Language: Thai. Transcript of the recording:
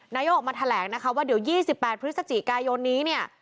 นายโยคมาแถลงนะคะว่าเดี๋ยวยี่สิบแปดพฤศจิกายนี้เนี่ย